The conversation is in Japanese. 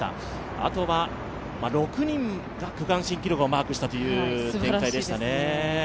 あとは６人が区間新記録をマークしたという展開でしたね。